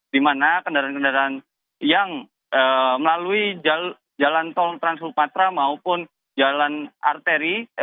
di mana kendaraan kendaraan yang melalui jalan tol trans sumatra maupun jalan arteri